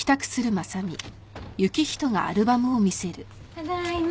ただいま。